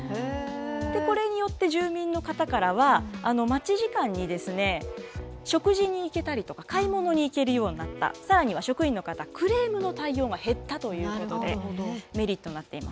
これによって、住民の方からは、待ち時間に食事に行けたりとか、買い物に行けるようになった、さらには、職員の方、クレームの対応が減ったということで、メリットになっています。